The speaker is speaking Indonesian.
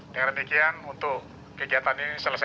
dengan demikian untuk kegiatan ini selesai